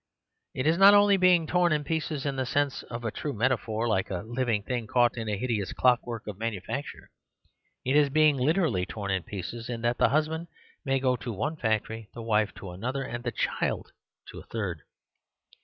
It is not only being torn in pieces in the sense of a true metaphor, like a living thing caught in a hideous clockwork of manufacture. It is being literally torn in pieces, in that the hus band may go to one factory, the wife to another, and the child to a third.